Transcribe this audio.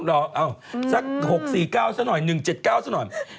สัก๖๔๙สักหน่อย๑๗๙สักหน่อย